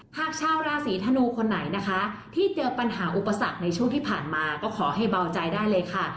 หากชาวราศีธนูคนไหนนะคะที่เจอปัญหาอุปสรรคในช่วงที่ผ่านมาก็ขอให้เบาใจได้เลยค่ะ